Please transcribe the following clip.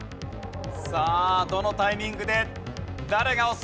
さあどのタイミングで誰が押すんだ？